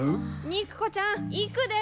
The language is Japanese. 肉子ちゃん行くで。